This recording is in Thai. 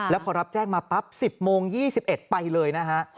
แล้วพอรับแจ้งมาปั๊บ๑๐โมง๒๑ไปเลยนะฮะ